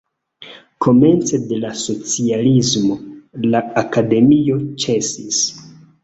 Komence de la socialismo la akademio ĉesis.